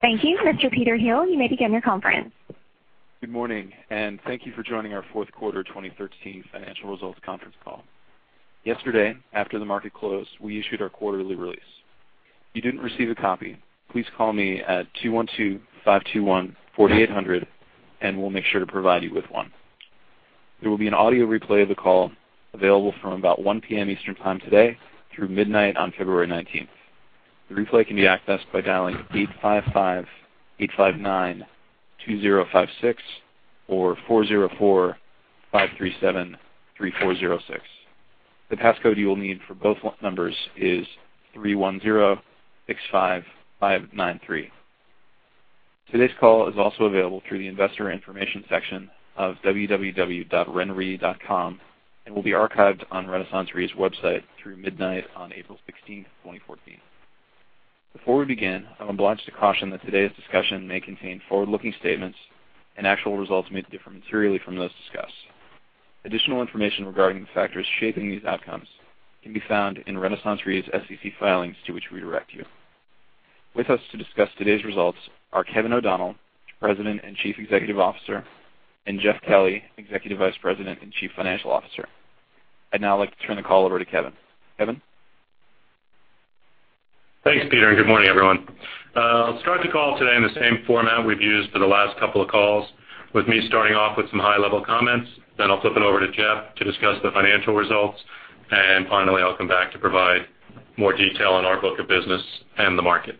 Thank you. Mr. Peter Hill, you may begin your conference. Good morning. Thank you for joining our fourth quarter 2013 financial results conference call. Yesterday, after the market closed, we issued our quarterly release. If you didn't receive a copy, please call me at 212-521-4800. We'll make sure to provide you with one. There will be an audio replay of the call available from about 1:00 P.M. Eastern Time today through midnight on February 19th. The replay can be accessed by dialing 855-859-2056 or 404-537-3406. The passcode you will need for both numbers is 31065593. Today's call is also available through the investor information section of www.renre.com and will be archived on RenaissanceRe's website through midnight on April 16th, 2014. Before we begin, I'm obliged to caution that today's discussion may contain forward-looking statements. Actual results may differ materially from those discussed. Additional information regarding the factors shaping these outcomes can be found in RenaissanceRe's SEC filings to which we direct you. With us to discuss today's results are Kevin O'Donnell, President and Chief Executive Officer, and Jeff Kelly, Executive Vice President and Chief Financial Officer. I'd now like to turn the call over to Kevin. Kevin? Thanks, Peter. Good morning, everyone. I'll start the call today in the same format we've used for the last couple of calls, with me starting off with some high-level comments. I'll flip it over to Jeff to discuss the financial results. Finally, I'll come back to provide more detail on our book of business and the market.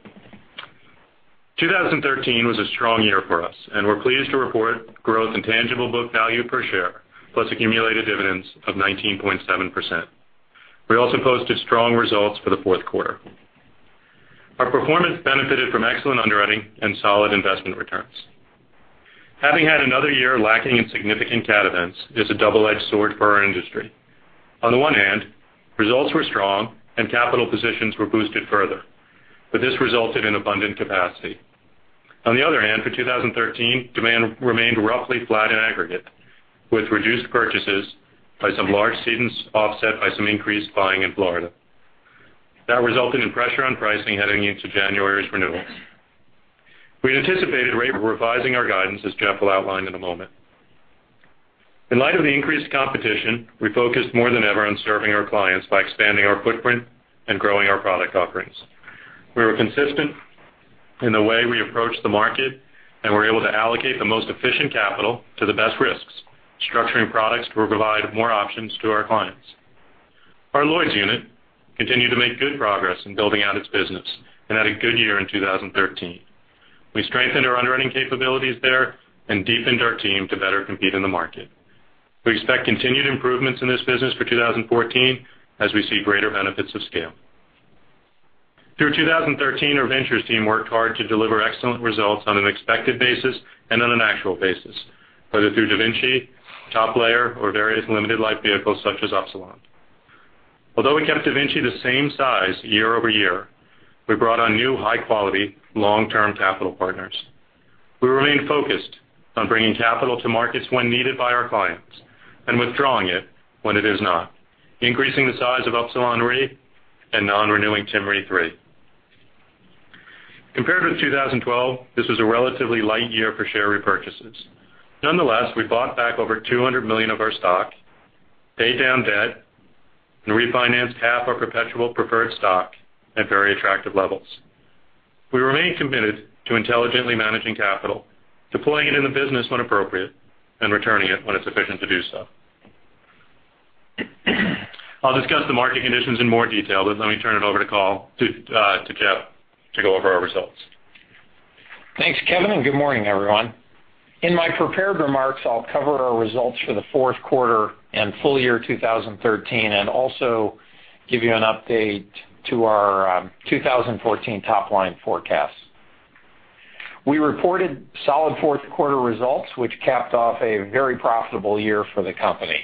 2013 was a strong year for us. We're pleased to report growth in tangible book value per share, plus accumulated dividends of 19.7%. We also posted strong results for the fourth quarter. Our performance benefited from excellent underwriting and solid investment returns. Having had another year lacking in significant cat events is a double-edged sword for our industry. On the one hand, results were strong and capital positions were boosted further. This resulted in abundant capacity. For 2013, demand remained roughly flat in aggregate, with reduced purchases by some large cedents offset by some increased buying in Florida. That resulted in pressure on pricing heading into January's renewals. We had anticipated revising our guidance, as Jeff will outline in a moment. In light of the increased competition, we focused more than ever on serving our clients by expanding our footprint and growing our product offerings. We were consistent in the way we approached the market and were able to allocate the most efficient capital to the best risks, structuring products to provide more options to our clients. Our Lloyd's unit continued to make good progress in building out its business and had a good year in 2013. We strengthened our underwriting capabilities there and deepened our team to better compete in the market. We expect continued improvements in this business for 2014 as we see greater benefits of scale. Through 2013, our ventures team worked hard to deliver excellent results on an expected basis and on an actual basis, whether through DaVinci, Top Layer, or various limited life vehicles such as Upsilon. Although we kept DaVinci the same size year-over-year, we brought on new high-quality, long-term capital partners. We remain focused on bringing capital to markets when needed by our clients and withdrawing it when it is not, increasing the size of Upsilon Re and non-renewing Tim Re3. Compared with 2012, this was a relatively light year for share repurchases. Nonetheless, we bought back over $200 million of our stock, paid down debt, and refinanced half our perpetual preferred stock at very attractive levels. We remain committed to intelligently managing capital, deploying it in the business when appropriate, and returning it when it's efficient to do so. I'll discuss the market conditions in more detail, but let me turn it over to Jeff to go over our results. Thanks, Kevin, and good morning, everyone. In my prepared remarks, I'll cover our results for the fourth quarter and full year 2013 and also give you an update to our 2014 top-line forecast. We reported solid fourth quarter results, which capped off a very profitable year for the company.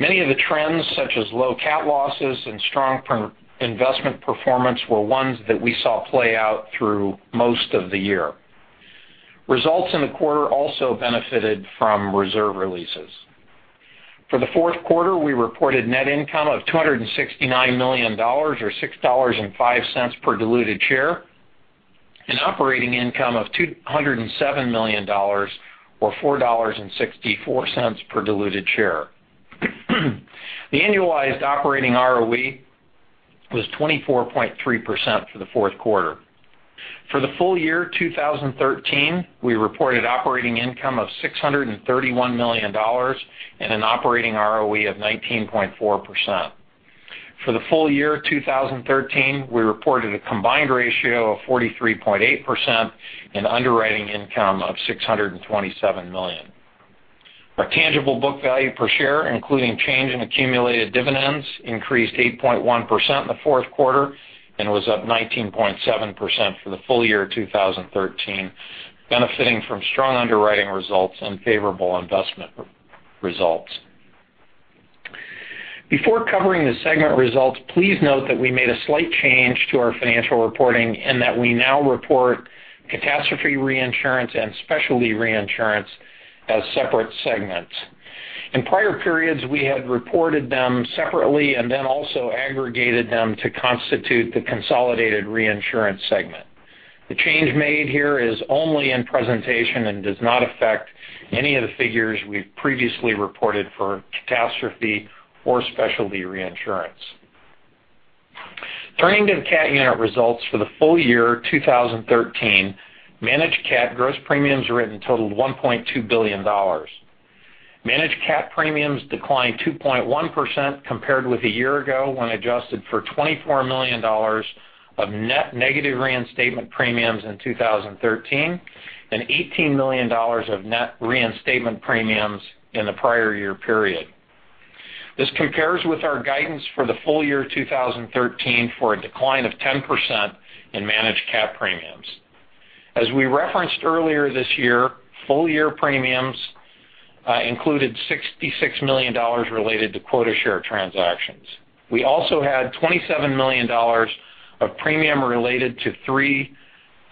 Many of the trends, such as low cat losses and strong investment performance, were ones that we saw play out through most of the year. Results in the quarter also benefited from reserve releases. For the fourth quarter, we reported net income of $269 million, or $6.05 per diluted share, and operating income of $207 million, or $4.64 per diluted share. The annualized operating ROE was 24.3% for the fourth quarter. For the full year 2013, we reported operating income of $631 million and an operating ROE of 19.4%. For the full year 2013, we reported a combined ratio of 43.8% and underwriting income of $627 million. Our tangible book value per share, including change in accumulated dividends, increased 8.1% in the fourth quarter and was up 19.7% for the full year 2013, benefiting from strong underwriting results and favorable investment results. Before covering the segment results, please note that we made a slight change to our financial reporting in that we now report Catastrophe Reinsurance and Specialty Reinsurance as separate segments. In prior periods, we had reported them separately and then also aggregated them to constitute the consolidated reinsurance segment. The change made here is only in presentation and does not affect any of the figures we've previously reported for catastrophe or specialty reinsurance. Turning to the cat unit results for the full year 2013, managed cat gross premiums written totaled $1.2 billion. Managed cat premiums declined 2.1% compared with a year ago, when adjusted for $24 million of net negative reinstatement premiums in 2013 and $18 million of net reinstatement premiums in the prior year period. This compares with our guidance for the full year 2013 for a decline of 10% in managed cat premiums. As we referenced earlier this year, full-year premiums included $66 million related to quota share transactions. We also had $27 million of premium related to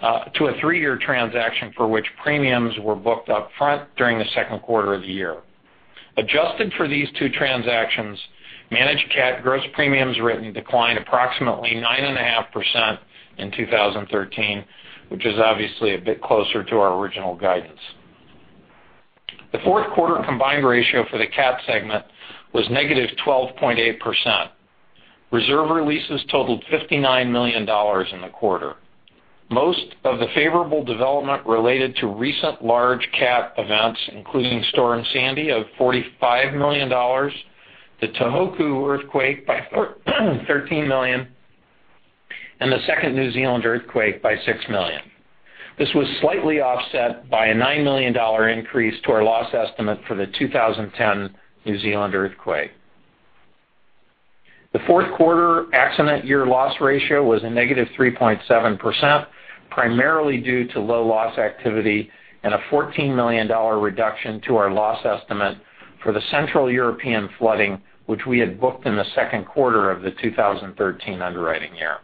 a three-year transaction for which premiums were booked upfront during the second quarter of the year. Adjusted for these two transactions, managed cat gross premiums written declined approximately 9.5% in 2013, which is obviously a bit closer to our original guidance. The fourth quarter combined ratio for the cat segment was negative 12.8%. Reserve releases totaled $59 million in the quarter. Most of the favorable development related to recent large cat events, including Superstorm Sandy of $45 million, the Tohoku earthquake by $13 million, and the second New Zealand earthquake by $6 million. This was slightly offset by a $9 million increase to our loss estimate for the 2010 New Zealand earthquake. The fourth quarter accident year loss ratio was a negative 3.7%, primarily due to low loss activity and a $14 million reduction to our loss estimate for the Central European flooding, which we had booked in the second quarter of the 2013 underwriting year.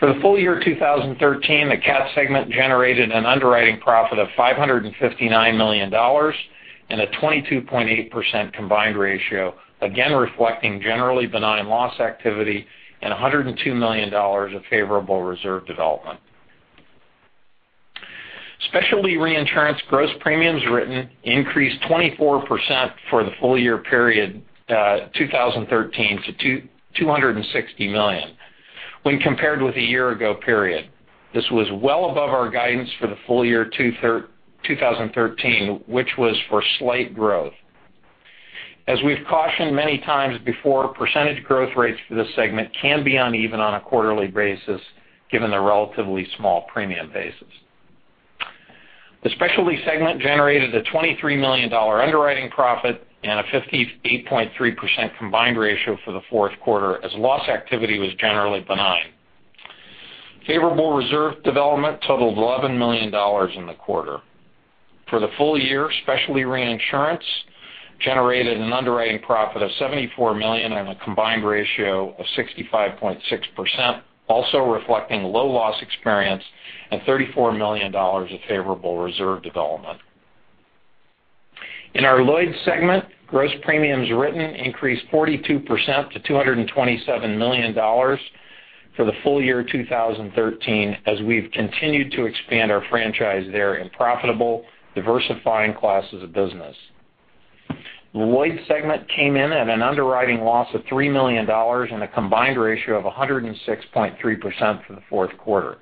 For the full year 2013, the cat segment generated an underwriting profit of $559 million and a 22.8% combined ratio, again reflecting generally benign loss activity and $102 million of favorable reserve development. Specialty Reinsurance gross premiums written increased 24% for the full year period 2013 to $260 million when compared with a year ago period. This was well above our guidance for the full year 2013, which was for slight growth. As we've cautioned many times before, percentage growth rates for this segment can be uneven on a quarterly basis given the relatively small premium bases. The Specialty segment generated a $23 million underwriting profit and a 58.3% combined ratio for the fourth quarter, as loss activity was generally benign. Favorable reserve development totaled $11 million in the quarter. For the full year, Specialty Reinsurance generated an underwriting profit of $74 million on a combined ratio of 65.6%, also reflecting low loss experience and $34 million of favorable reserve development. In our Lloyd's segment, gross premiums written increased 42% to $227 million for the full year 2013 as we've continued to expand our franchise there in profitable diversifying classes of business. The Lloyd's segment came in at an underwriting loss of $3 million and a combined ratio of 106.3% for the fourth quarter.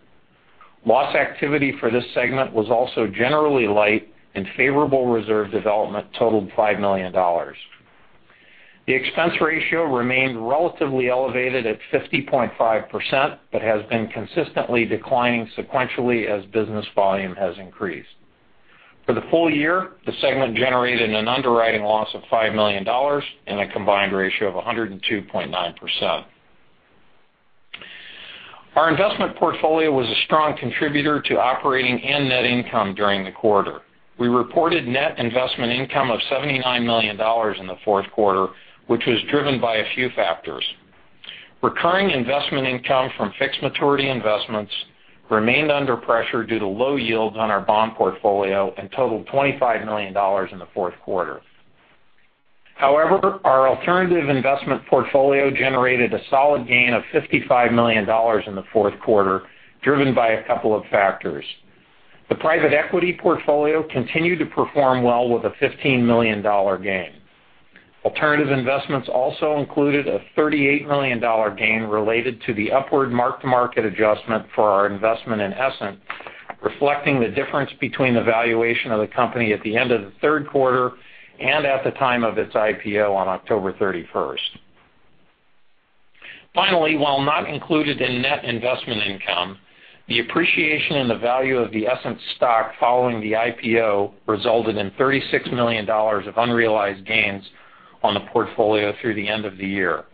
Loss activity for this segment was also generally light, and favorable reserve development totaled $5 million. The expense ratio remained relatively elevated at 50.5%, but has been consistently declining sequentially as business volume has increased. For the full year, the segment generated an underwriting loss of $5 million and a combined ratio of 102.9%. Our investment portfolio was a strong contributor to operating and net income during the quarter. We reported net investment income of $79 million in the fourth quarter, which was driven by a few factors. Recurring investment income from fixed maturity investments remained under pressure due to low yields on our bond portfolio and totaled $25 million in the fourth quarter. Our alternative investment portfolio generated a solid gain of $55 million in the fourth quarter, driven by a couple of factors. The private equity portfolio continued to perform well with a $15 million gain. Alternative investments also included a $38 million gain related to the upward mark-to-market adjustment for our investment in Essent, reflecting the difference between the valuation of the company at the end of the third quarter and at the time of its IPO on October 31st. While not included in net investment income, the appreciation in the value of the Essent stock following the IPO resulted in $36 million of unrealized gains on the portfolio through the end of the year.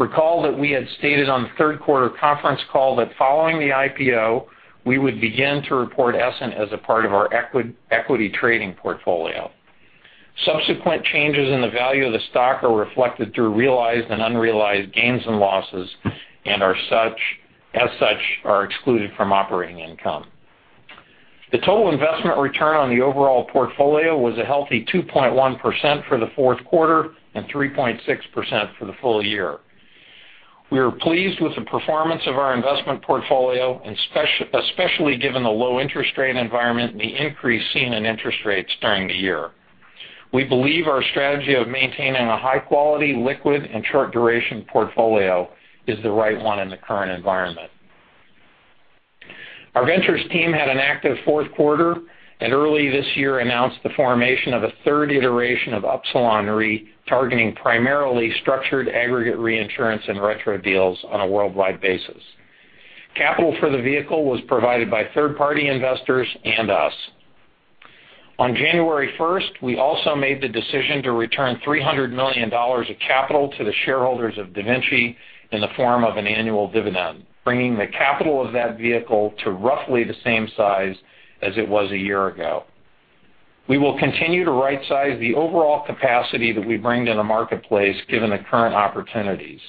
Recall that we had stated on the third quarter conference call that following the IPO, we would begin to report Essent as a part of our equity trading portfolio. Subsequent changes in the value of the stock are reflected through realized and unrealized gains and losses, and as such, are excluded from operating income. The total investment return on the overall portfolio was a healthy 2.1% for the fourth quarter and 3.6% for the full year. We are pleased with the performance of our investment portfolio, especially given the low interest rate environment and the increase seen in interest rates during the year. We believe our strategy of maintaining a high-quality, liquid, and short-duration portfolio is the right one in the current environment. Our ventures team had an active fourth quarter and early this year announced the formation of a third iteration of Upsilon Re, targeting primarily structured aggregate reinsurance and retro deals on a worldwide basis. Capital for the vehicle was provided by third-party investors and us. On January 1st, we also made the decision to return $300 million of capital to the shareholders of DaVinci in the form of an annual dividend, bringing the capital of that vehicle to roughly the same size as it was a year ago. We will continue to right-size the overall capacity that we bring to the marketplace given the current opportunities.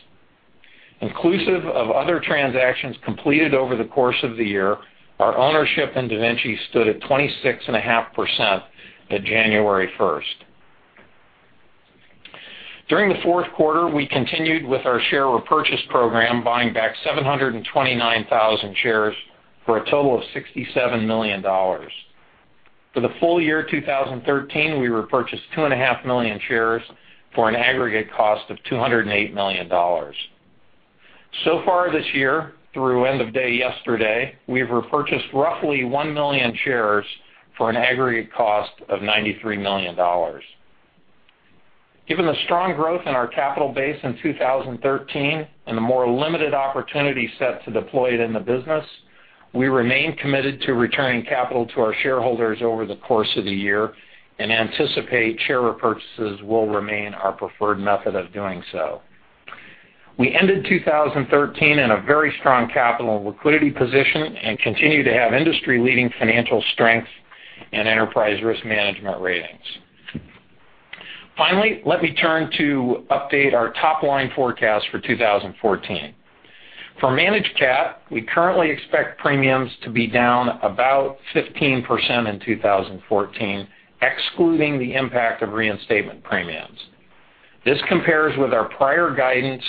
Inclusive of other transactions completed over the course of the year, our ownership in DaVinci stood at 26.5% at January 1st. During the fourth quarter, we continued with our share repurchase program, buying back 729,000 shares for a total of $67 million. For the full year 2013, we repurchased 2.5 million shares for an aggregate cost of $208 million. So far this year, through end of day yesterday, we have repurchased roughly 1 million shares for an aggregate cost of $93 million. Given the strong growth in our capital base in 2013 and the more limited opportunity set to deploy it in the business, we remain committed to returning capital to our shareholders over the course of the year and anticipate share repurchases will remain our preferred method of doing so. We ended 2013 in a very strong capital and liquidity position and continue to have industry-leading financial strength and enterprise risk management ratings. Let me turn to update our top-line forecast for 2014. For managed cat, we currently expect premiums to be down about 15% in 2014, excluding the impact of reinstatement premiums. This compares with our prior guidance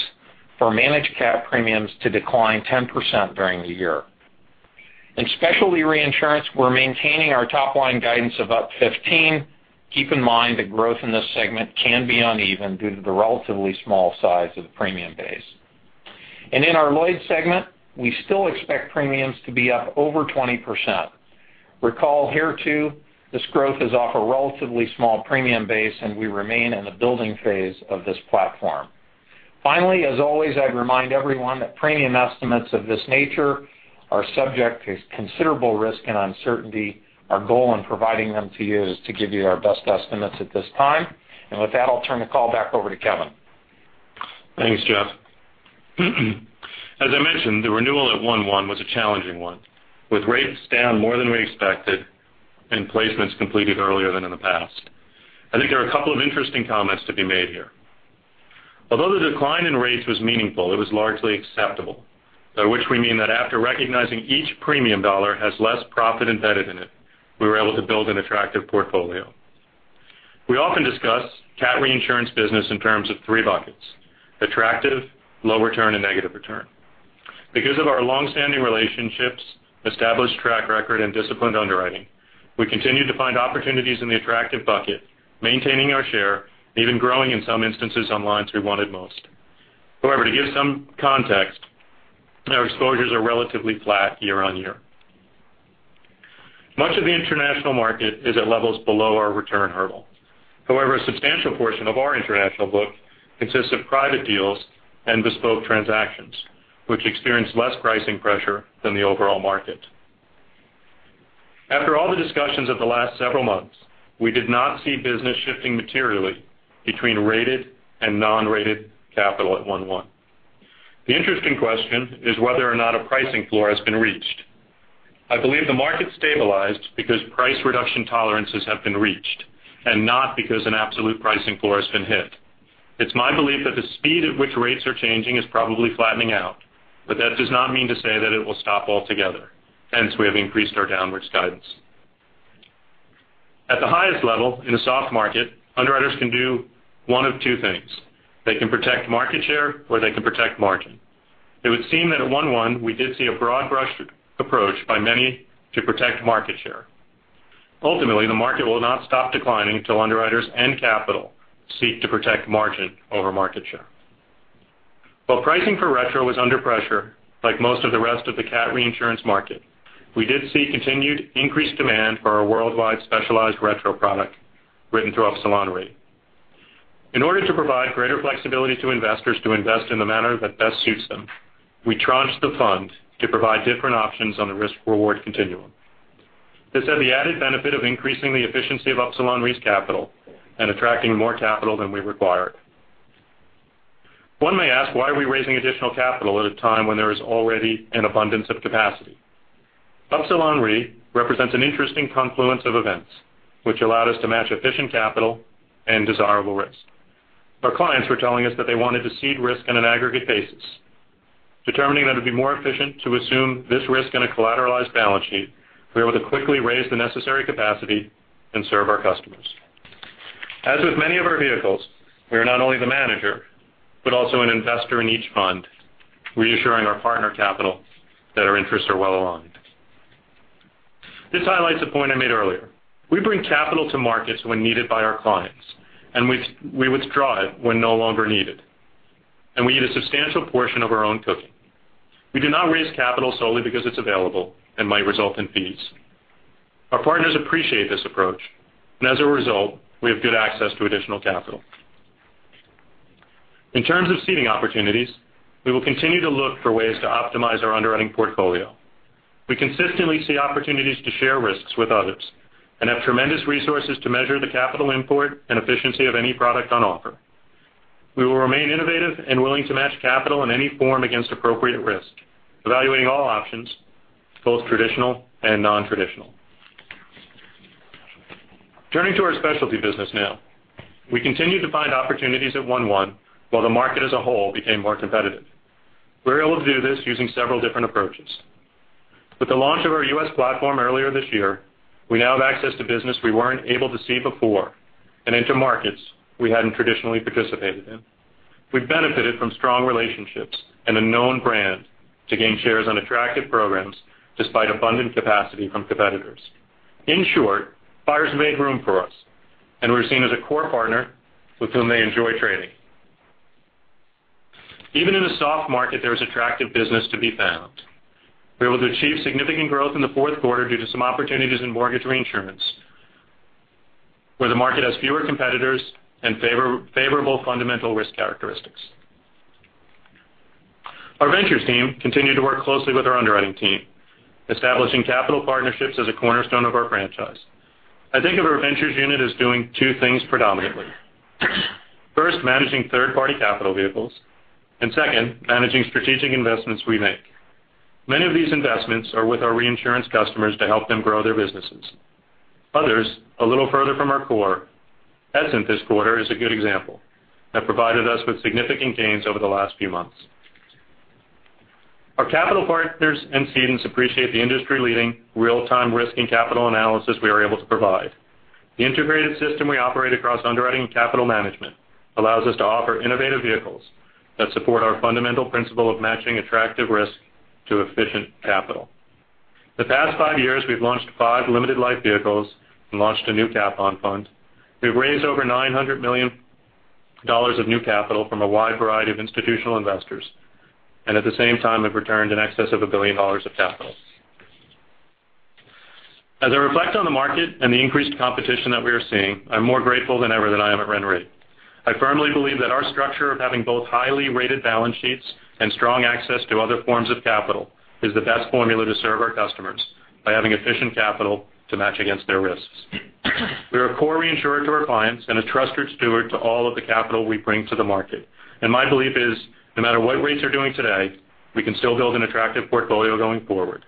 for managed cat premiums to decline 10% during the year. In Specialty Reinsurance, we're maintaining our top-line guidance of up 15%. Keep in mind that growth in this segment can be uneven due to the relatively small size of the premium base. In our Lloyd's segment, we still expect premiums to be up over 20%. Recall here too, this growth is off a relatively small premium base, and we remain in the building phase of this platform. As always, I'd remind everyone that premium estimates of this nature are subject to considerable risk and uncertainty. Our goal in providing them to you is to give you our best estimates at this time. With that, I'll turn the call back over to Kevin. Thanks, Jeff. As I mentioned, the renewal at one-one was a challenging one, with rates down more than we expected and placements completed earlier than in the past. I think there are a couple of interesting comments to be made here. Although the decline in rates was meaningful, it was largely acceptable. By which we mean that after recognizing each premium dollar has less profit embedded in it, we were able to build an attractive portfolio. We often discuss cat reinsurance business in terms of three buckets: attractive, low return, and negative return. Because of our long-standing relationships, established track record, and disciplined underwriting, we continue to find opportunities in the attractive bucket, maintaining our share and even growing in some instances on lines we wanted most. However, to give some context, our exposures are relatively flat year-on-year. Much of the international market is at levels below our return hurdle. However, a substantial portion of our international book consists of private deals and bespoke transactions, which experience less pricing pressure than the overall market. After all the discussions of the last several months, we did not see business shifting materially between rated and non-rated capital at one-one. The interesting question is whether or not a pricing floor has been reached. I believe the market stabilized because price reduction tolerances have been reached and not because an absolute pricing floor has been hit. It's my belief that the speed at which rates are changing is probably flattening out, that does not mean to say that it will stop altogether, hence we have increased our downwards guidance. At the highest level in a soft market, underwriters can do one of two things: They can protect market share, or they can protect margin. It would seem that at 1/1, we did see a broad-brush approach by many to protect market share. Ultimately, the market will not stop declining until underwriters and capital seek to protect margin over market share. While pricing for retrocession is under pressure like most of the rest of the Catastrophe Reinsurance market, we did see continued increased demand for our worldwide specialized retrocession product written through Upsilon Re. In order to provide greater flexibility to investors to invest in the manner that best suits them, we tranched the fund to provide different options on the risk-reward continuum. This had the added benefit of increasing the efficiency of Upsilon Re's capital and attracting more capital than we required. One may ask, why are we raising additional capital at a time when there is already an abundance of capacity? Upsilon Re represents an interesting confluence of events which allowed us to match efficient capital and desirable risk. Our clients were telling us that they wanted to cede risk on an aggregate basis. Determining that it would be more efficient to assume this risk in a collateralized balance sheet, we were able to quickly raise the necessary capacity and serve our customers. As with many of our vehicles, we are not only the manager, but also an investor in each fund, reassuring our partner capital that our interests are well-aligned. This highlights a point I made earlier. We bring capital to markets when needed by our clients, and we withdraw it when no longer needed, and we eat a substantial portion of our own cooking. We do not raise capital solely because it's available and might result in fees. Our partners appreciate this approach, and as a result, we have good access to additional capital. In terms of ceding opportunities, we will continue to look for ways to optimize our underwriting portfolio. We consistently see opportunities to share risks with others and have tremendous resources to measure the capital import and efficiency of any product on offer. We will remain innovative and willing to match capital in any form against appropriate risk, evaluating all options, both traditional and non-traditional. Turning to our specialty business now. We continued to find opportunities at 1/1, while the market as a whole became more competitive. We were able to do this using several different approaches. With the launch of our U.S. platform earlier this year, we now have access to business we weren't able to see before and into markets we hadn't traditionally participated in. We benefited from strong relationships and a known brand to gain shares on attractive programs despite abundant capacity from competitors. In short, buyers made room for us, and we're seen as a core partner with whom they enjoy trading. Even in a soft market, there is attractive business to be found. We were able to achieve significant growth in the fourth quarter due to some opportunities in mortgage reinsurance, where the market has fewer competitors and favorable fundamental risk characteristics. Our ventures team continued to work closely with our underwriting team, establishing capital partnerships as a cornerstone of our franchise. I think of our ventures unit as doing two things predominantly. First, managing third-party capital vehicles, second, managing strategic investments we make. Many of these investments are with our reinsurance customers to help them grow their businesses. Others, a little further from our core, Essent this quarter is a good example, have provided us with significant gains over the last few months. Our capital partners and cedents appreciate the industry-leading real-time risk and capital analysis we are able to provide. The integrated system we operate across underwriting and capital management allows us to offer innovative vehicles that support our fundamental principle of matching attractive risk to efficient capital. The past five years, we've launched five limited life vehicles and launched a new cat bond fund. We've raised over $900 million of new capital from a wide variety of institutional investors, at the same time have returned in excess of $1 billion of capital. As I reflect on the market and the increased competition that we are seeing, I'm more grateful than ever that I am at RenRe. I firmly believe that our structure of having both highly rated balance sheets and strong access to other forms of capital is the best formula to serve our customers by having efficient capital to match against their risks. We are a core reinsurer to our clients and a trusted steward to all of the capital we bring to the market. My belief is, no matter what rates are doing today, we can still build an attractive portfolio going forward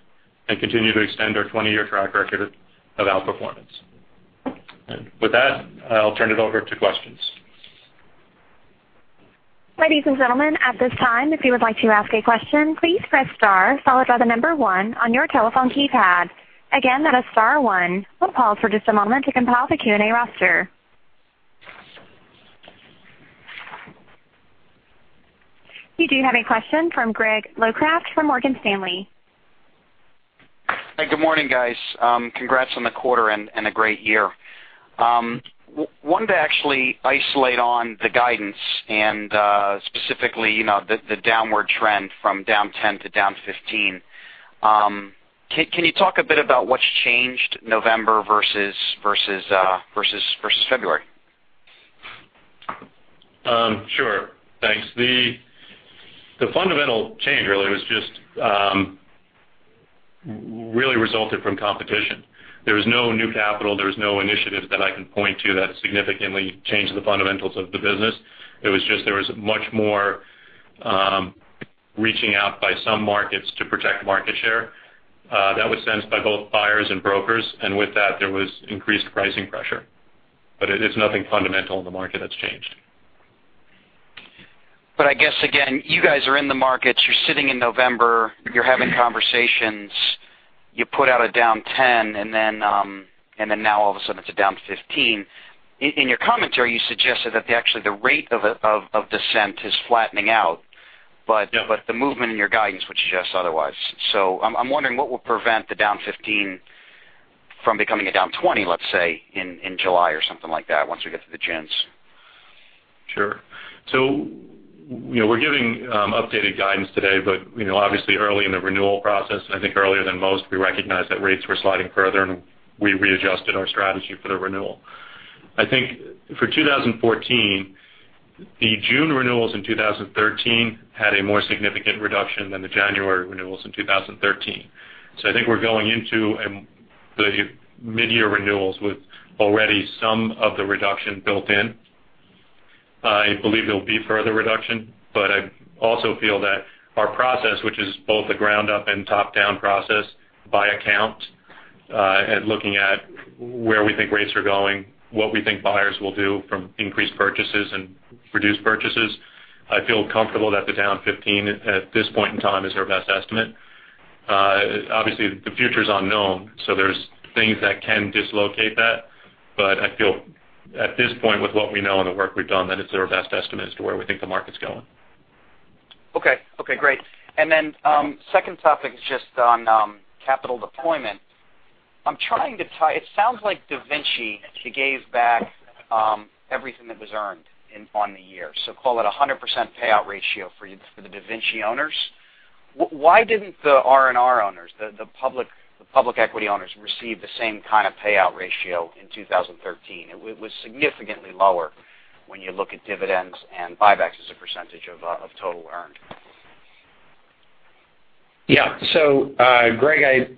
and continue to extend our 20-year track record of outperformance. With that, I'll turn it over to questions. Ladies and gentlemen, at this time, if you would like to ask a question, please press star followed by the number 1 on your telephone keypad. Again, that is star 1. We'll pause for just a moment to compile the Q&A roster. You do have a question from Gregory Locraft from Morgan Stanley. Hi, good morning, guys. Congrats on the quarter and a great year. Wanted to actually isolate on the guidance and specifically the downward trend from down 10% to down 15%. Can you talk a bit about what's changed November versus February? Sure. Thanks. The fundamental change really was just really resulted from competition. There was no new capital, there was no initiatives that I can point to that significantly changed the fundamentals of the business. It was just there was much more reaching out by some markets to protect market share. That was sensed by both buyers and brokers, and with that, there was increased pricing pressure. It's nothing fundamental in the market that's changed. I guess, again, you guys are in the markets, you're sitting in November, you're having conversations, you put out a down 10%, now all of a sudden it's a down 15%. In your commentary, you suggested that actually the rate of descent is flattening out. Yeah. The movement in your guidance would suggest otherwise. I'm wondering what will prevent the down 15% from becoming a down 20%, let's say, in July or something like that once we get to the Junes. Sure. We're giving updated guidance today, obviously early in the renewal process, I think earlier than most, we recognized that rates were sliding further, we readjusted our strategy for the renewal. I think for 2014, the June renewals in 2013 had a more significant reduction than the January renewals in 2013. I think we're going into the mid-year renewals with already some of the reduction built in. I believe there'll be further reduction, I also feel that our process, which is both a ground-up and top-down process by account Looking at where we think rates are going, what we think buyers will do from increased purchases and reduced purchases. I feel comfortable that the down 15% at this point in time is our best estimate. Obviously, the future's unknown, there's things that can dislocate that. I feel at this point with what we know and the work we've done, that it's our best estimate as to where we think the market's going. Okay, great. Second topic is just on capital deployment. It sounds like DaVinci gave back everything that was earned on the year. Call it 100% payout ratio for the DaVinci owners. Why didn't the RenRe owners, the public equity owners receive the same kind of payout ratio in 2013? It was significantly lower when you look at dividends and buybacks as a percentage of total earned. Yeah. Greg,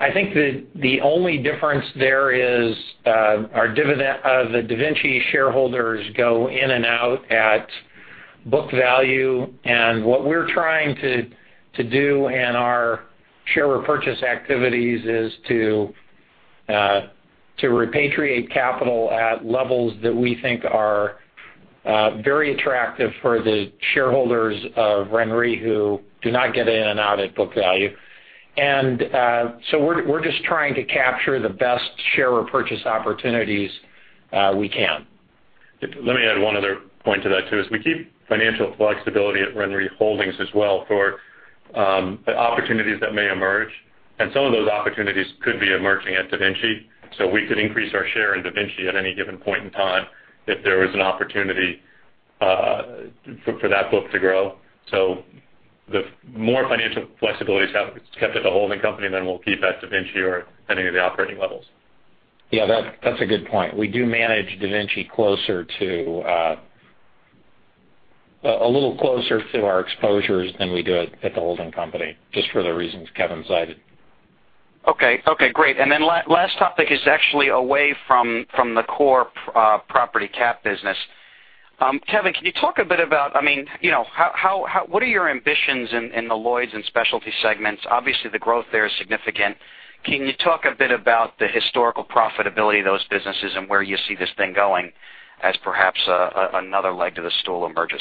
I think the only difference there is the DaVinci shareholders go in and out at book value. What we're trying to do in our share repurchase activities is to repatriate capital at levels that we think are very attractive for the shareholders of RenRe who do not get in and out at book value. We're just trying to capture the best share repurchase opportunities we can. Let me add one other point to that, too, is we keep financial flexibility at RenRe Holdings as well for opportunities that may emerge, and some of those opportunities could be emerging at DaVinci. We could increase our share in DaVinci at any given point in time if there was an opportunity for that book to grow. The more financial flexibility is kept at the holding company than we'll keep at DaVinci or any of the operating levels. Yeah, that's a good point. We do manage DaVinci a little closer to our exposures than we do at the holding company, just for the reasons Kevin cited. Okay, great. Last topic is actually away from the core Cat business. Kevin, what are your ambitions in the Lloyd's and Specialty segments? Obviously, the growth there is significant. Can you talk a bit about the historical profitability of those businesses and where you see this thing going as perhaps another leg to the stool emerges?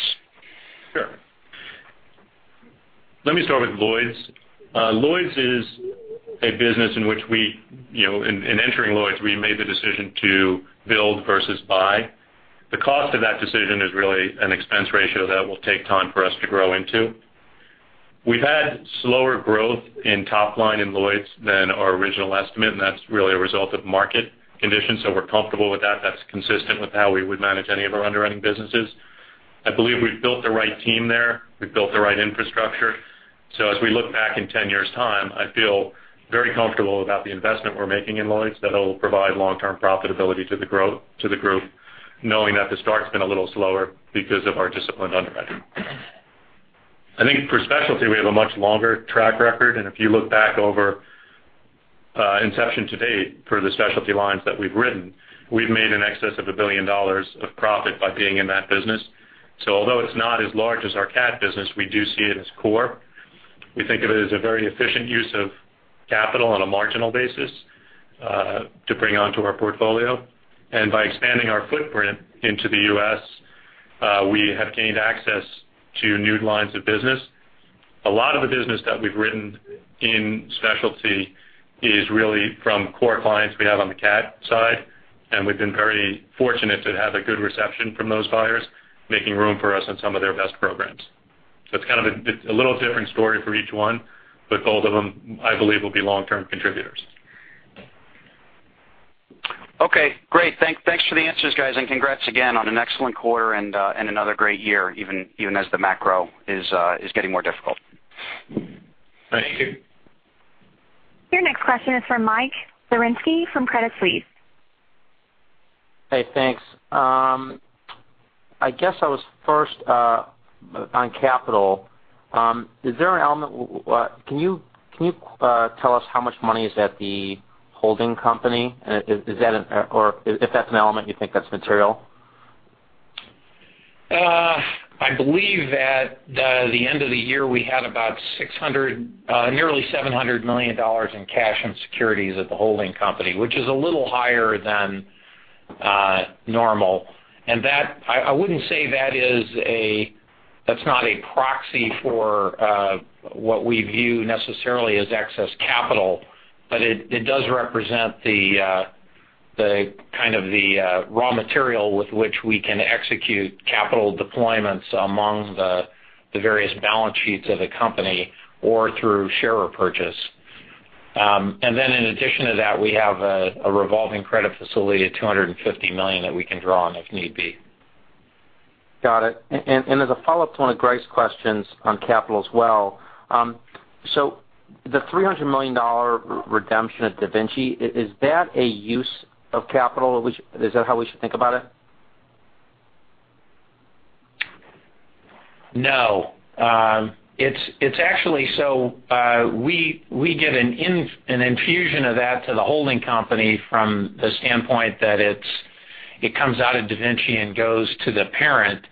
Sure. Let me start with Lloyd's. In entering Lloyd's, we made the decision to build versus buy. The cost of that decision is really an expense ratio that will take time for us to grow into. We've had slower growth in top line in Lloyd's than our original estimate, that's really a result of market conditions, so we're comfortable with that. That's consistent with how we would manage any of our underwriting businesses. I believe we've built the right team there. We've built the right infrastructure. As we look back in 10 years' time, I feel very comfortable about the investment we're making in Lloyd's that'll provide long-term profitability to the group, knowing that the start's been a little slower because of our disciplined underwriting. I think for Specialty, we have a much longer track record, and if you look back over inception to date for the Specialty lines that we've written, we've made in excess of $1 billion of profit by being in that business. Although it's not as large as our Cat business, we do see it as core. We think of it as a very efficient use of capital on a marginal basis to bring onto our portfolio. By expanding our footprint into the U.S., we have gained access to new lines of business. A lot of the business that we've written in Specialty is really from core clients we have on the Cat side, and we've been very fortunate to have a good reception from those buyers, making room for us on some of their best programs. It's kind of a little different story for each one, but both of them, I believe, will be long-term contributors. Okay, great. Thanks for the answers, guys, and congrats again on an excellent quarter and another great year, even as the macro is getting more difficult. Thank you. Your next question is from Michael Zaremski from Credit Suisse. Hey, thanks. I guess I was first on capital. Can you tell us how much money is at the holding company, if that's an element you think that's material? I believe at the end of the year, we had about 600, nearly $700 million in cash and securities at the holding company, which is a little higher than normal. I wouldn't say that's not a proxy for what we view necessarily as excess capital. It does represent the raw material with which we can execute capital deployments among the various balance sheets of the company or through share repurchase. In addition to that, we have a revolving credit facility of $250 million that we can draw on if need be. Got it. As a follow-up to one of Greg's questions on capital as well. The $300 million redemption at DaVinci, is that a use of capital? Is that how we should think about it? No. We get an infusion of that to the holding company from the standpoint that it's It comes out of DaVinci and goes to the parent.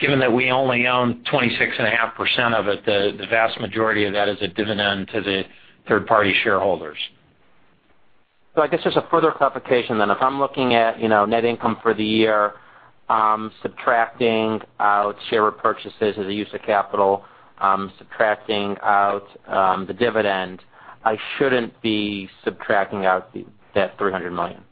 Given that we only own 26.5% of it, the vast majority of that is a dividend to the third-party shareholders. I guess there's a further clarification then. If I'm looking at net income for the year, subtracting out share repurchases as a use of capital, subtracting out the dividend, I shouldn't be subtracting out that $300 million.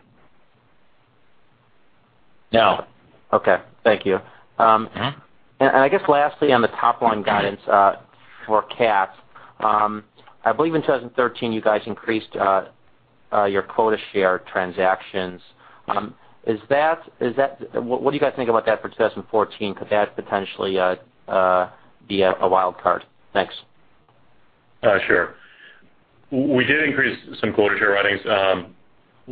No. Okay. Thank you. I guess lastly, on the top-line guidance for cats, I believe in 2013, you guys increased your quota share transactions. What do you guys think about that for 2014? Could that potentially be a wildcard? Thanks. Sure. We did increase some quota share writings.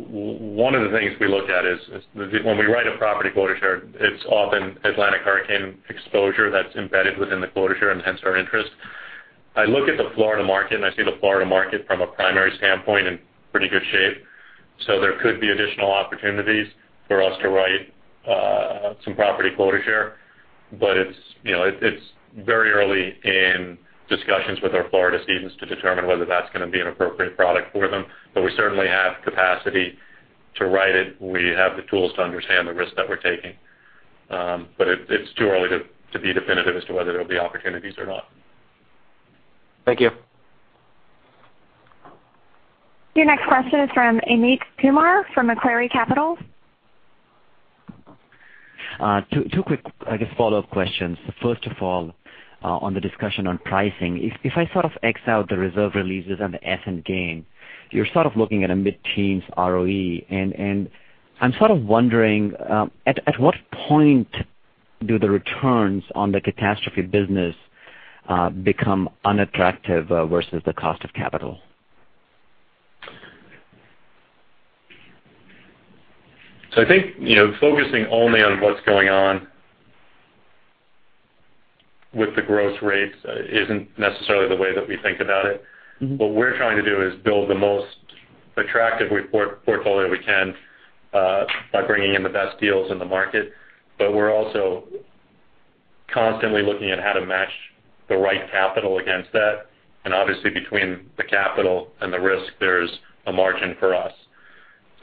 One of the things we look at is, when we write a property quota share, it's often Atlantic hurricane exposure that's embedded within the quota share and hence our interest. I look at the Florida market, and I see the Florida market from a primary standpoint in pretty good shape. There could be additional opportunities for us to write some property quota share. It's very early in discussions with our Florida cedents to determine whether that's going to be an appropriate product for them. We certainly have capacity to write it. We have the tools to understand the risk that we're taking. It's too early to be definitive as to whether there'll be opportunities or not. Thank you. Your next question is from Anil Kumar from Macquarie Capital. Two quick follow-up questions. First of all, on the discussion on pricing. If I sort of X out the reserve releases and the Essent gain, you're sort of looking at a mid-teens ROE, and I'm sort of wondering at what point do the returns on the catastrophe business become unattractive versus the cost of capital? I think, focusing only on what's going on with the growth rates isn't necessarily the way that we think about it. What we're trying to do is build the most attractive portfolio we can by bringing in the best deals in the market. We're also constantly looking at how to match the right capital against that, and obviously between the capital and the risk, there's a margin for us.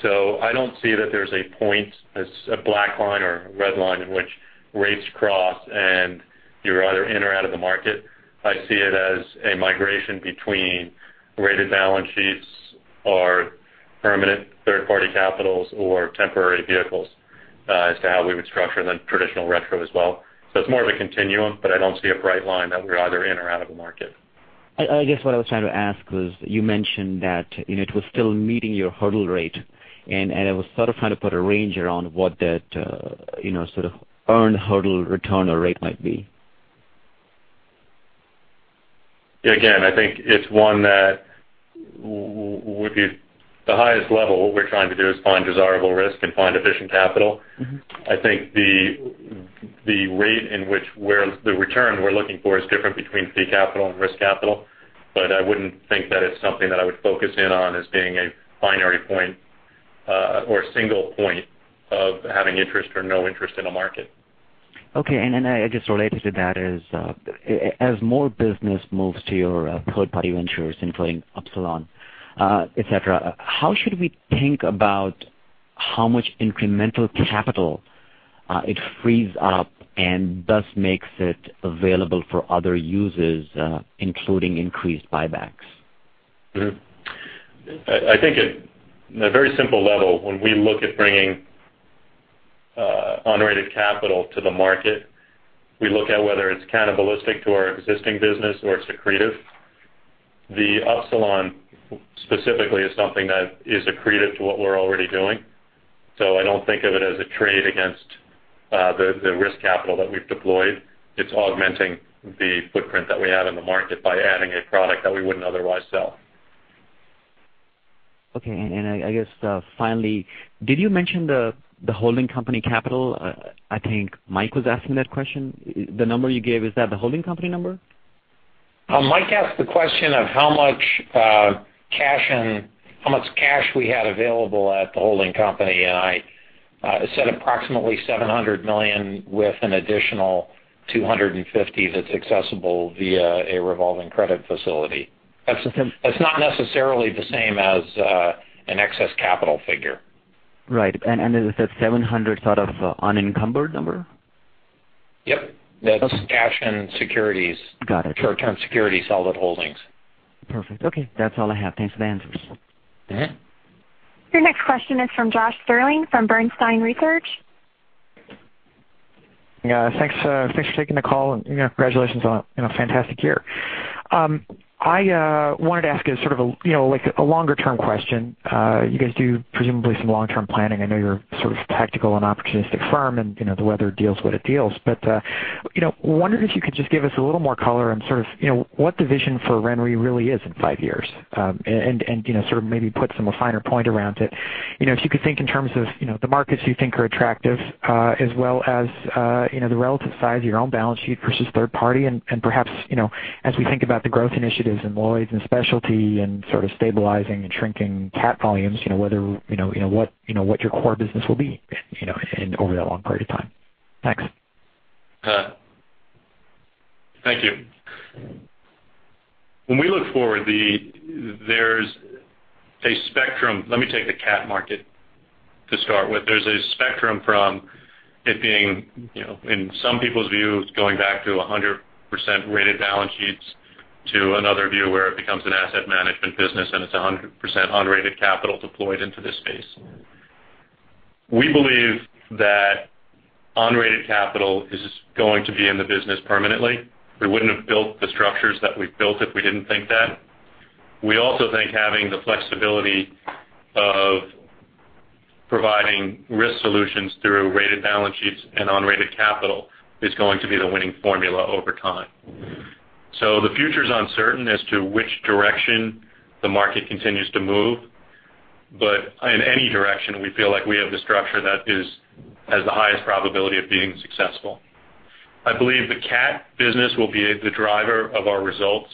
I don't see that there's a point as a black line or a red line in which rates cross and you're either in or out of the market. I see it as a migration between rated balance sheets or permanent third-party capitals or temporary vehicles as to how we would structure, and then traditional retrocession as well. It's more of a continuum, but I don't see a bright line that we're either in or out of the market. I guess what I was trying to ask was, you mentioned that it was still meeting your hurdle rate, and I was sort of trying to put a range around what that sort of earned hurdle return or rate might be. I think it's one that would be the highest level. What we're trying to do is find desirable risk and find efficient capital. I think the rate in which the return we're looking for is different between fee capital and risk capital. I wouldn't think that it's something that I would focus in on as being a binary point or a single point of having interest or no interest in a market. Okay, just related to that is, as more business moves to your third-party ventures, including Upsilon, et cetera, how should we think about how much incremental capital it frees up and thus makes it available for other users, including increased buybacks? I think at a very simple level, when we look at bringing unrated capital to the market, we look at whether it's cannibalistic to our existing business or it's accretive. The Upsilon specifically is something that is accretive to what we're already doing. I don't think of it as a trade against the risk capital that we've deployed. It's augmenting the footprint that we have in the market by adding a product that we wouldn't otherwise sell. I guess, finally, did you mention the holding company capital? I think Mike was asking that question. The number you gave, is that the holding company number? Mike asked the question of how much cash we had available at the holding company, I said approximately $700 million with an additional $250 that's accessible via a revolving credit facility. That's the same- That's not necessarily the same as an excess capital figure. Right. Is that $700 sort of unencumbered number? Yep. That's cash and securities. Got it. Short-term securities, solid holdings. Perfect. Okay. That's all I have. Thanks for the answers. Your next question is from Josh Stirling, from Bernstein Research. Yeah. Thanks for taking the call, and congratulations on a fantastic year. I wanted to ask you sort of like a longer-term question. You guys do presumably some long-term planning. I know you're sort of tactical and opportunistic firm, and the weather deals what it deals, but wondering if you could just give us a little more color on sort of what the vision for RenRe really is in five years. Sort of maybe put some finer point around it. If you could think in terms of the markets you think are attractive, as well as the relative size of your own balance sheet versus third party, and perhaps, as we think about the growth initiatives in Lloyd's and Specialty and sort of stabilizing and shrinking cat volumes, what your core business will be over that long period of time. Thanks. Thank you. When we look forward, there's a spectrum. Let me take the cat market to start with. There's a spectrum from it being, in some people's views, going back to 100% rated balance sheets to another view where it becomes an asset management business and it's 100% unrated capital deployed into this space. We believe that unrated capital is going to be in the business permanently. We wouldn't have built the structures that we've built if we didn't think that. We also think having the flexibility of providing risk solutions through rated balance sheets and unrated capital is going to be the winning formula over time. The future's uncertain as to which direction the market continues to move, but in any direction, we feel like we have the structure that has the highest probability of being successful. I believe the cat business will be the driver of our results.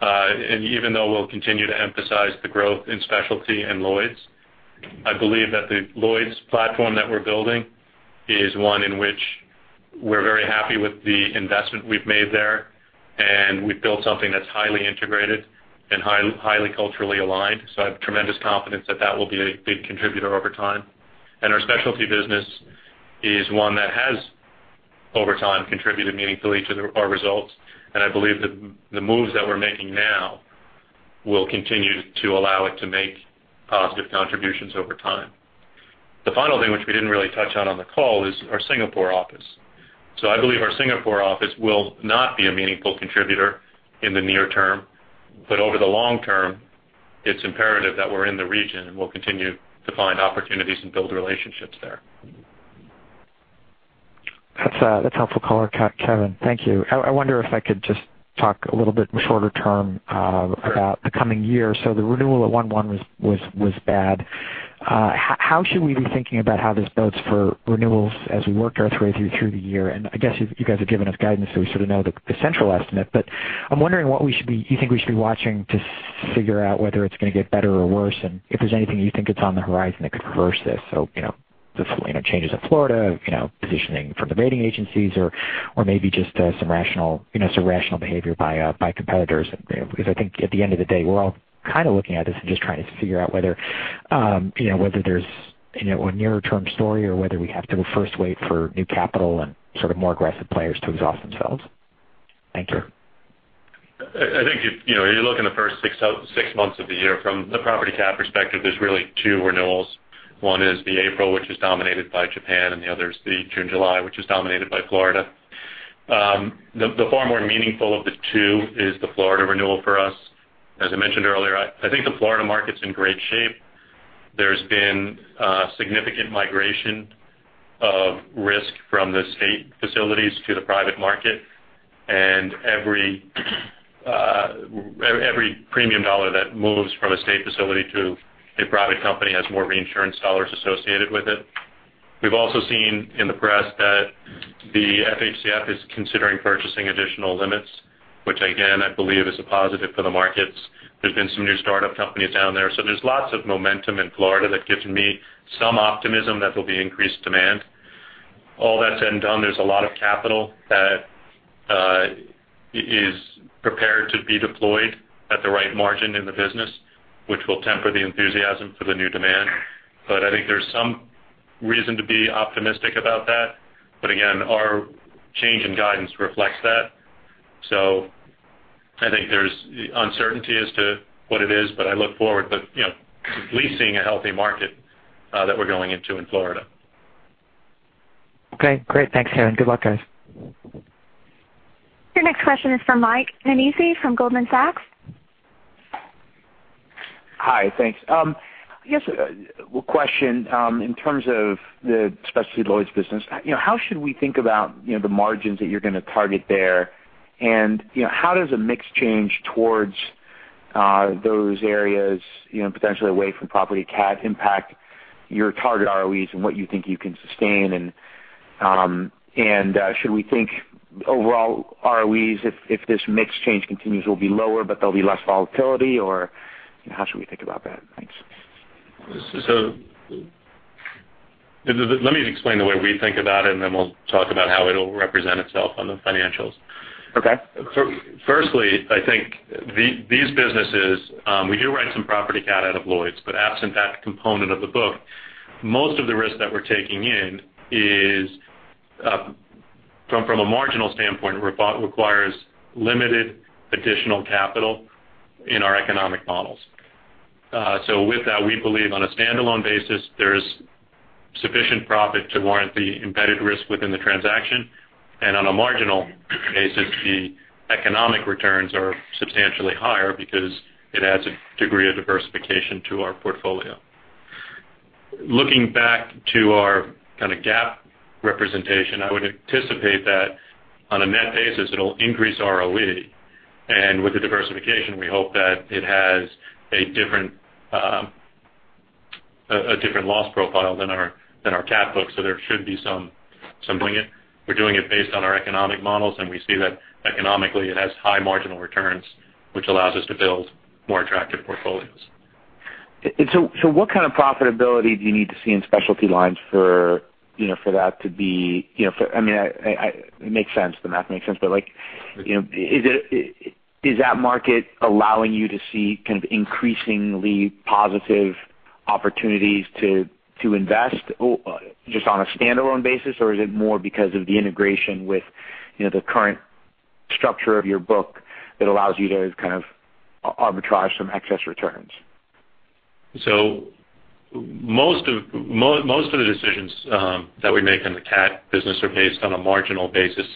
Even though we'll continue to emphasize the growth in Specialty Reinsurance and Lloyd's, I believe that the Lloyd's platform that we're building is one in which we're very happy with the investment we've made there, and we've built something that's highly integrated and highly culturally aligned. I have tremendous confidence that that will be a big contributor over time. Our Specialty Reinsurance business is one that has, over time, contributed meaningfully to our results, and I believe that the moves that we're making now will continue to allow it to make positive contributions over time. The final thing, which we didn't really touch on the call, is our Singapore office. I believe our Singapore office will not be a meaningful contributor in the near term, but over the long term, it's imperative that we're in the region, and we'll continue to find opportunities and build relationships there. That's helpful, Kevin. Thank you. I wonder if I could just talk a little bit more shorter term about the coming year. The renewal at one-one was bad. How should we be thinking about how this bodes for renewals as we work our way through the year? I guess you guys have given us guidance, so we sort of know the central estimate, but I'm wondering what you think we should be watching to figure out whether it's going to get better or worse, and if there's anything you think that's on the horizon that could reverse this. The changes in Florida, positioning from the rating agencies or maybe just some rational behavior by competitors. I think at the end of the day, we're all kind of looking at this and just trying to figure out whether there's a nearer term story or whether we have to first wait for new capital and sort of more aggressive players to exhaust themselves. Thank you. I think if you look in the first six months of the year, from the property cat perspective, there's really two renewals. One is the April, which is dominated by Japan, and the other is the June, July, which is dominated by Florida. The far more meaningful of the two is the Florida renewal for us. As I mentioned earlier, I think the Florida market's in great shape. There's been significant migration of risk from the state facilities to the private market, and every premium dollar that moves from a state facility to a private company has more reinsurance dollars associated with it. We've also seen in the press that the FHCF is considering purchasing additional limits, which again, I believe is a positive for the markets. There's been some new startup companies down there's lots of momentum in Florida that gives me some optimism that there'll be increased demand. All that said and done, there's a lot of capital that is prepared to be deployed at the right margin in the business, which will temper the enthusiasm for the new demand. I think there's some reason to be optimistic about that. Again, our change in guidance reflects that. I think there's uncertainty as to what it is, but I look forward at least seeing a healthy market that we're going into in Florida. Okay, great. Thanks, Kevin. Good luck, guys. Your next question is from Michael Nannizzi from Goldman Sachs. Hi, thanks. I guess a question in terms of the specialty Lloyd's business. How should we think about the margins that you're going to target there? How does a mix change towards those areas, potentially away from property cat impact your target ROEs and what you think you can sustain? Should we think overall ROEs, if this mix change continues, will be lower, but there'll be less volatility? How should we think about that? Thanks. Let me explain the way we think about it, and then we'll talk about how it'll represent itself on the financials. Okay. Firstly, I think these businesses, we do write some property cat out of Lloyd's, but absent that component of the book, most of the risk that we're taking in is, from a marginal standpoint, requires limited additional capital in our economic models. With that, we believe on a standalone basis, there's sufficient profit to warrant the embedded risk within the transaction. On a marginal basis, the economic returns are substantially higher because it adds a degree of diversification to our portfolio. Looking back to our kind of GAAP representation, I would anticipate that on a net basis, it'll increase ROE. With the diversification, we hope that it has a different loss profile than our cat book. There should be some bring it. We're doing it based on our economic models, and we see that economically it has high marginal returns, which allows us to build more attractive portfolios. What kind of profitability do you need to see in Specialty Reinsurance for that to be? It makes sense. The math makes sense. Is that market allowing you to see kind of increasingly positive opportunities to invest just on a standalone basis? Or is it more because of the integration with the current structure of your book that allows you to kind of arbitrage some excess returns? Most of the decisions that we make on the Catastrophe Reinsurance business are based on a marginal basis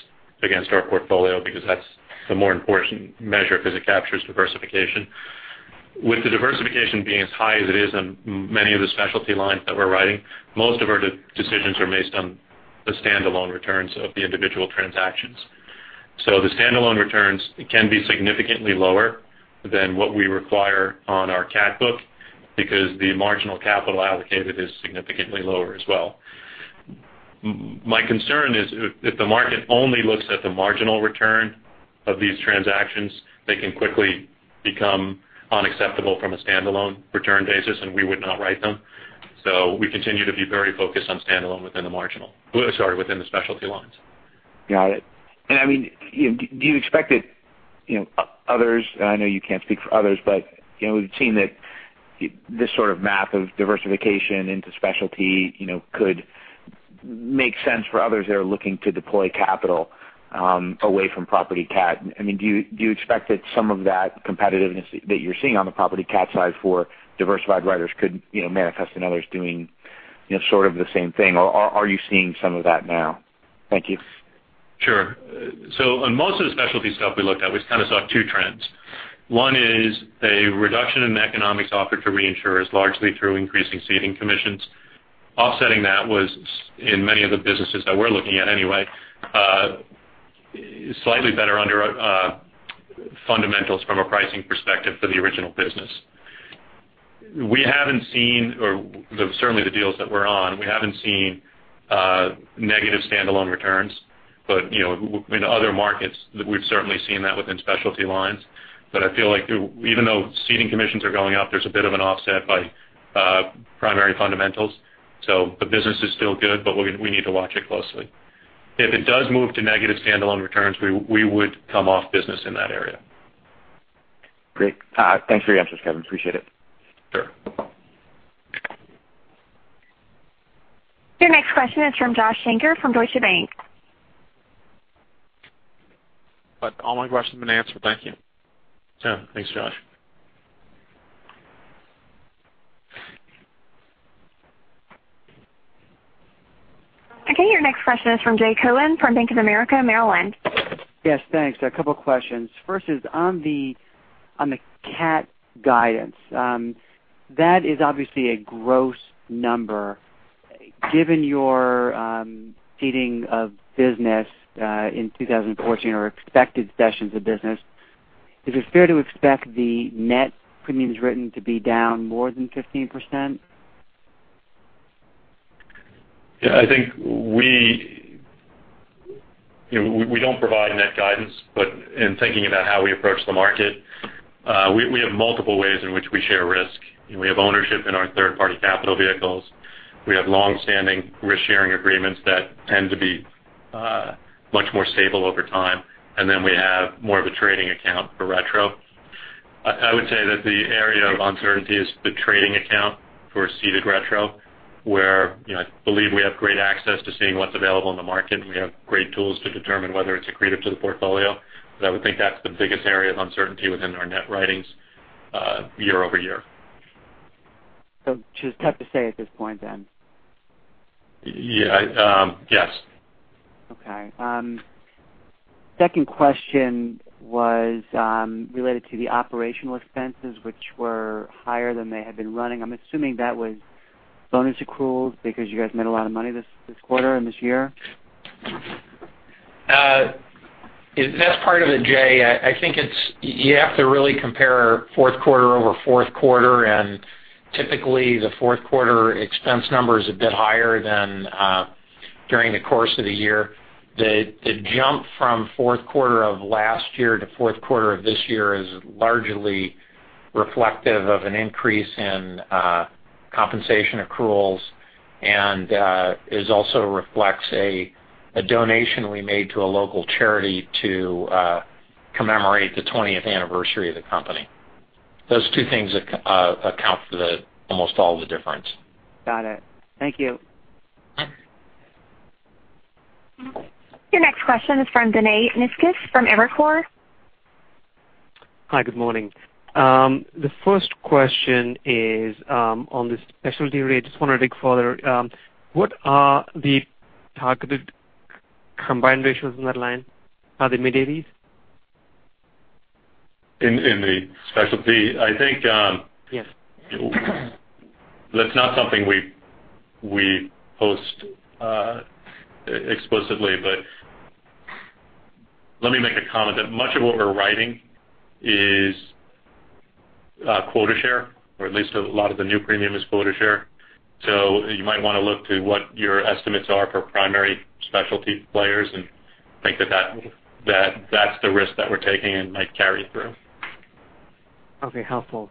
against our portfolio, because that's the more important measure, because it captures diversification. With the diversification being as high as it is on many of the Specialty Reinsurance that we're writing, most of our decisions are based on the standalone returns of the individual transactions. The standalone returns can be significantly lower than what we require on our Catastrophe Reinsurance book because the marginal capital allocated is significantly lower as well. My concern is, if the market only looks at the marginal return of these transactions, they can quickly become unacceptable from a standalone return basis, and we would not write them. We continue to be very focused on standalone within the marginal. Sorry, within the Specialty Reinsurance. Got it. Do you expect that others, and I know you can't speak for others, but we've seen that this sort of math of diversification into Specialty Reinsurance could make sense for others that are looking to deploy capital, away from property catastrophe? Do you expect that some of that competitiveness that you're seeing on the property catastrophe side for diversified writers could manifest in others doing sort of the same thing, or are you seeing some of that now? Thank you. Sure. On most of the Specialty Reinsurance stuff we looked at, we kind of saw two trends. One is a reduction in economics offered to reinsurers largely through increasing ceding commissions. Offsetting that was, in many of the businesses that we're looking at anyway, slightly better under fundamentals from a pricing perspective for the original business. We haven't seen, or certainly the deals that we're on, we haven't seen negative standalone returns. In other markets, we've certainly seen that within Specialty Reinsurance. I feel like even though ceding commissions are going up, there's a bit of an offset by primary fundamentals. The business is still good, but we need to watch it closely. If it does move to negative standalone returns, we would come off business in that area. Great. Thanks for your answers, Kevin. Appreciate it. Sure. Your next question is from Joshua Shanker from Deutsche Bank. All my questions have been answered. Thank you. Yeah. Thanks, Josh. Okay, your next question is from Jay Cohen from Bank of America Merrill Lynch. Yes, thanks. A couple questions. First is on the cat guidance. That is obviously a gross number. Given your ceding of business in 2014 or expected cessions of business, is it fair to expect the net premiums written to be down more than 15%? Yeah, I think we don't provide net guidance. In thinking about how we approach the market, we have multiple ways in which we share risk. We have ownership in our third-party capital vehicles. We have long-standing risk-sharing agreements that tend to be much more stable over time. We have more of a trading account for retrocession. I would say that the area of uncertainty is the trading account for ceded retrocession, where I believe we have great access to seeing what's available in the market, and we have great tools to determine whether it's accretive to the portfolio. I would think that's the biggest area of uncertainty within our net writings year-over-year. Just tough to say at this point then. Yes. Okay. Second question was related to the operational expenses which were higher than they had been running. I'm assuming that was bonus accruals because you guys made a lot of money this quarter and this year. That's part of it, Jay. I think you have to really compare fourth quarter over fourth quarter, typically, the fourth quarter expense number is a bit higher than during the course of the year. The jump from fourth quarter of last year to fourth quarter of this year is largely reflective of an increase in compensation accruals and it also reflects a donation we made to a local charity to commemorate the 20th anniversary of the company. Those two things account for almost all the difference. Got it. Thank you. Your next question is from Vinay Misquith from Evercore. Hi, good morning. The first question is on the Specialty Reinsurance rate. Just want to dig further. What are the targeted combined ratios in that line? Are they mid-80s? In the Specialty Reinsurance? Yes That's not something we post explicitly, but let me make a comment that much of what we're writing is quota share, or at least a lot of the new premium is quota share. You might want to look to what your estimates are for primary Specialty Reinsurance players and think that that's the risk that we're taking and might carry through. Okay, helpful.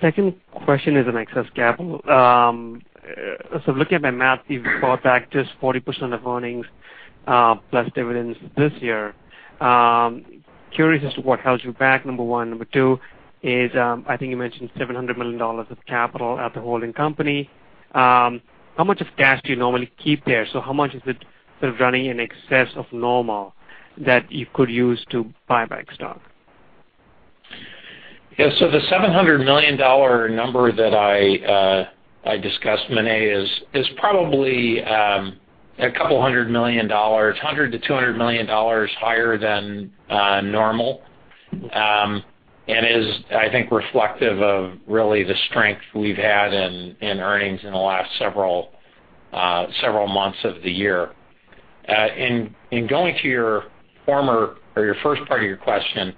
Second question is on excess capital. Looking at my math, you've bought back just 40% of earnings plus dividends this year. Curious as to what held you back, number one. Number two is, I think you mentioned $700 million of capital at the holding company. How much cash do you normally keep there? How much is it sort of running in excess of normal that you could use to buy back stock? Yes. The $700 million number that I discussed, Vinay, is probably a couple of hundred million dollars, $100 million-$200 million higher than normal. Is, I think, reflective of really the strength we've had in earnings in the last several months of the year. In going to your former or your first part of your question,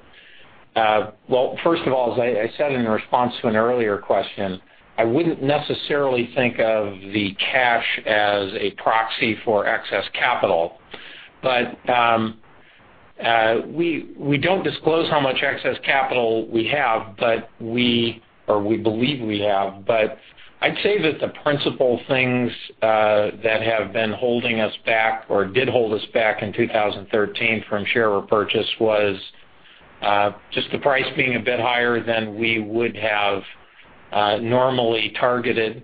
well, first of all, as I said in response to an earlier question, I wouldn't necessarily think of the cash as a proxy for excess capital. We don't disclose how much excess capital we have, or we believe we have. I'd say that the principal things that have been holding us back or did hold us back in 2013 from share repurchase was just the price being a bit higher than we would have normally targeted,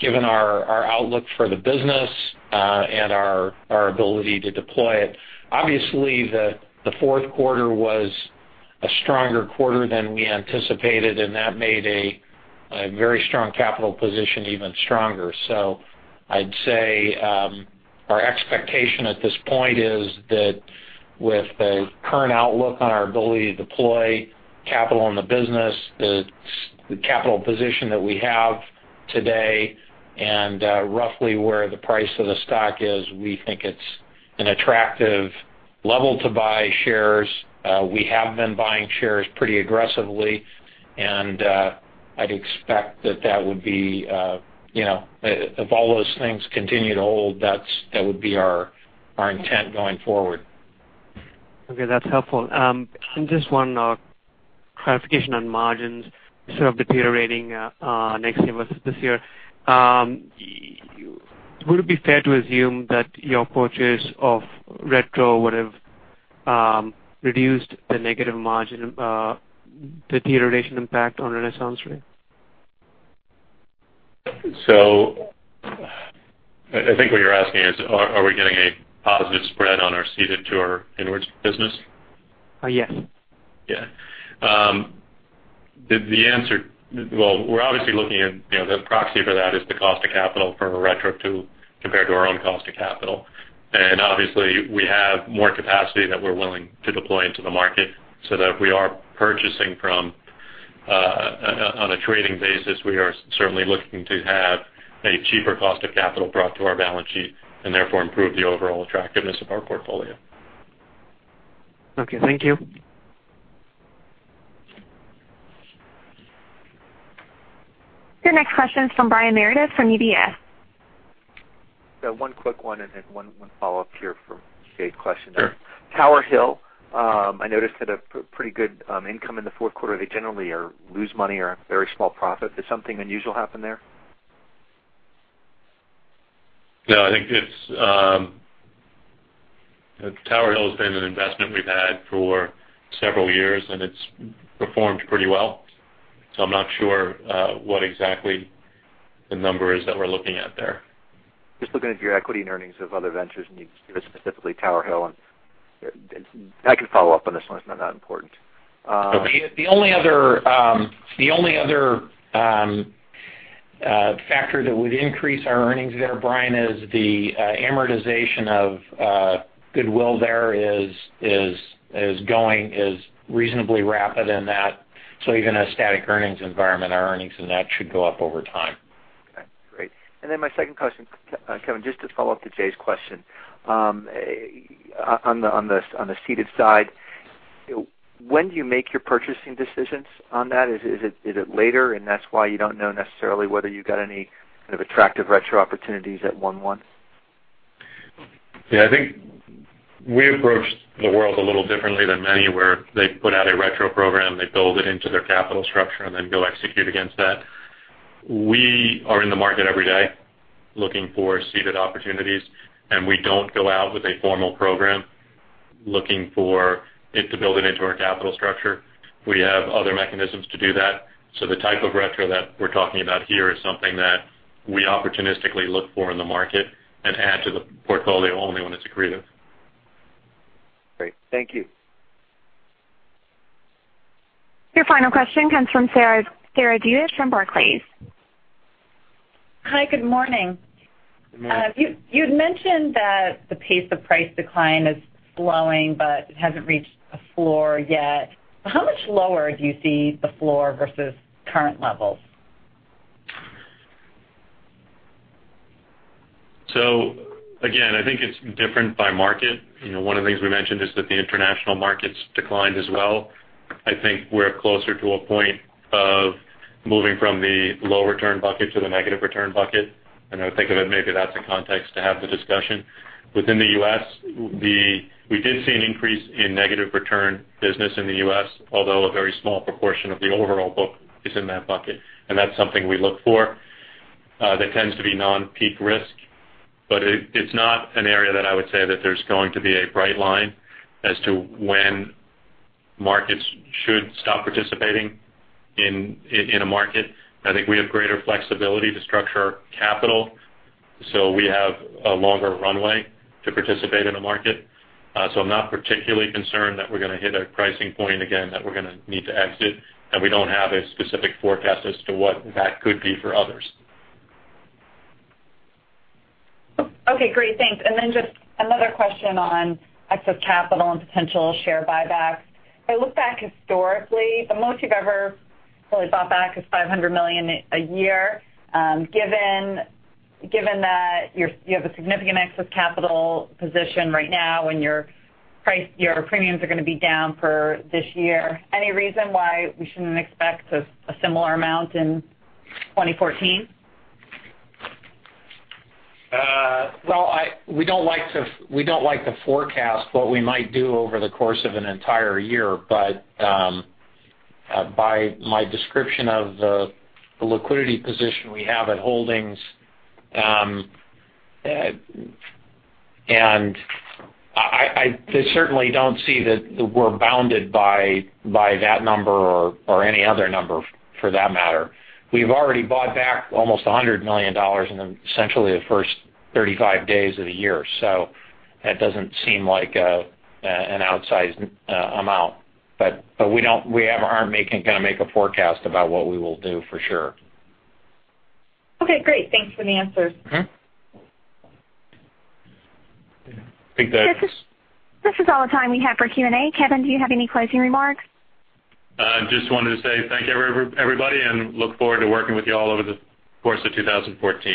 given our outlook for the business, and our ability to deploy it. Obviously, the fourth quarter was a stronger quarter than we anticipated, and that made a very strong capital position even stronger. I'd say our expectation at this point is that with the current outlook on our ability to deploy capital in the business, the capital position that we have today and roughly where the price of the stock is, we think it's an attractive level to buy shares. We have been buying shares pretty aggressively, and I'd expect that if all those things continue to hold, that would be our intent going forward. Okay, that's helpful. Just one clarification on margins, sort of deteriorating next year versus this year. Would it be fair to assume that your purchase of retrocession would have reduced the negative margin, the deterioration impact on RenaissanceRe? I think what you're asking is, are we getting a positive spread on our ceded to our inwards business? Yes. Yeah. The answer Well, we're obviously looking at the proxy for that is the cost of capital for a retrocession compared to our own cost of capital. Obviously we have more capacity that we're willing to deploy into the market so that if we are purchasing from on a trading basis, we are certainly looking to have a cheaper cost of capital brought to our balance sheet and therefore improve the overall attractiveness of our portfolio. Okay, thank you. Your next question is from Brian Meredith from UBS. One quick one and then one follow-up here from Jay's question. Sure. Tower Hill, I noticed had a pretty good income in the fourth quarter. They generally lose money or have very small profit. Did something unusual happen there? No, I think it's Tower Hill has been an investment we've had for several years, and it's performed pretty well. I'm not sure what exactly the number is that we're looking at there. Just looking at your equity and earnings of other ventures, and you specifically Tower Hill and I can follow up on this one. It's not that important. The only other factor that would increase our earnings there, Brian, is the amortization of goodwill there is going as reasonably rapid in that. Even a static earnings environment, our earnings in that should go up over time. Okay, great. My second question, Kevin, just to follow up to Jay's question. On the ceded side, when do you make your purchasing decisions on that? Is it later and that's why you don't know necessarily whether you got any kind of attractive retrocession opportunities at one month? Yeah, I think we approach the world a little differently than many, where they put out a retrocession program, they build it into their capital structure, and then go execute against that. We are in the market every day looking for ceded opportunities, and we don't go out with a formal program looking for it to build it into our capital structure. We have other mechanisms to do that. The type of retrocession that we're talking about here is something that we opportunistically look for in the market and add to the portfolio only when it's accretive. Great. Thank you. Your final question comes from Jaycen Witt from Barclays. Hi, good morning. Good morning. You'd mentioned that the pace of price decline is slowing, It hasn't reached a floor yet. How much lower do you see the floor versus current levels? Again, I think it's different by market. One of the things we mentioned is that the international markets declined as well. I think we're closer to a point of moving from the low return bucket to the negative return bucket, I would think of it maybe that's a context to have the discussion. Within the U.S., we did see an increase in negative return business in the U.S., although a very small proportion of the overall book is in that bucket, That's something we look for. That tends to be non-peak risk, It's not an area that I would say that there's going to be a bright line as to when markets should stop participating in a market. I think we have greater flexibility to structure our capital, We have a longer runway to participate in a market. I'm not particularly concerned that we're going to hit a pricing point again that we're going to need to exit, and we don't have a specific forecast as to what that could be for others. Okay, great. Thanks. Just another question on excess capital and potential share buybacks. If I look back historically, the most you've ever really bought back is $500 million a year. Given that you have a significant excess capital position right now and your premiums are going to be down for this year, any reason why we shouldn't expect a similar amount in 2014? Well, we don't like to forecast what we might do over the course of an entire year, but by my description of the liquidity position we have at RenaissanceRe Holdings, I certainly don't see that we're bounded by that number or any other number for that matter. We've already bought back almost $100 million in essentially the first 35 days of the year, so that doesn't seem like an outsized amount. We aren't going to make a forecast about what we will do for sure. Okay, great. Thanks for the answers. I think. This is all the time we have for Q&A. Kevin, do you have any closing remarks? Just wanted to say thank you, everybody, and look forward to working with you all over the course of 2014.